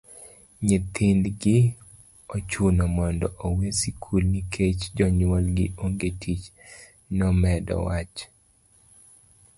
nyithindgi ochuno mondo owe sikul nikech jonyuol gi onge tich',nomedo wacho